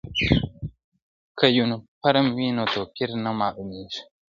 که یونیفورم وي نو توپیر نه معلومیږي.